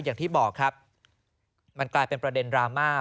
อย่างที่บอกครับมันกลายเป็นประเด็นดราม่า